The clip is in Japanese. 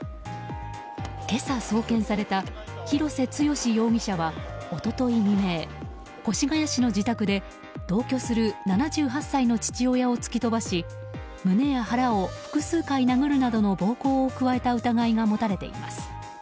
今朝、送検された広瀬津嘉容疑者は一昨日未明越谷市の自宅で同居する７８歳の父親を突き飛ばし胸や腹を複数回殴るなどの暴行を加えた疑いが持たれています。